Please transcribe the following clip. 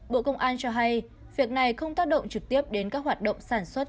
bộ công an cho hay việc này không tác động trực tiếp đến các hoạt động sản xuất